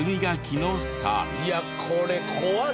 いやこれ怖っ！